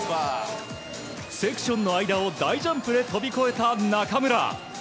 セクションの間を大ジャンプで飛び越えた中村。